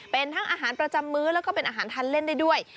เป็นทั้งอาหารประจำมื้อแล้วก็เป็นอาหารทานเล่นได้ด้วย